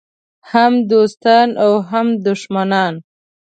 هم دوستان او هم دښمنان.